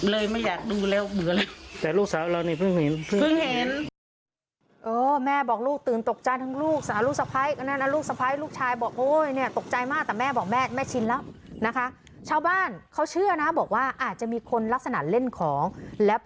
เลยไม่อยากดูแล้วเบื่อแล้ว